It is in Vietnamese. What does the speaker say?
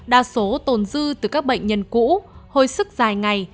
đa số tồn dư từ các bệnh nhân cũ hồi sức dài ngày